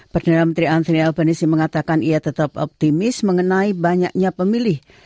perdana menteri antria openisi mengatakan ia tetap optimis mengenai banyaknya pemilih